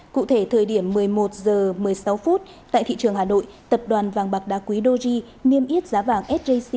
cụ thể thời điểm một mươi một h một mươi sáu phút tại thị trường hà nội tập đoàn vàng bạc đá quý doji niêm yết giá vàng sjc